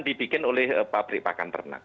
dibikin oleh pabrik pakan ternak